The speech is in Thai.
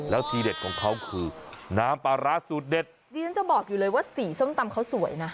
แล้วทีเด็ดของเขาคือน้ำปลาร้าสูตรเด็ดดิฉันจะบอกอยู่เลยว่าสีส้มตำเขาสวยนะ